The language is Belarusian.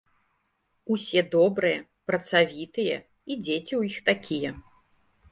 Усе добрыя, працавітыя, і дзеці ў іх такія.